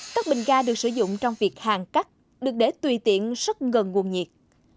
các bình ga được sử dụng trong việc hàng cắt được để tùy tiện sức ngần nguồn nhiệt